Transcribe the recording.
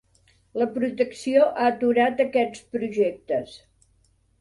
La protecció ha aturat aquests projectes.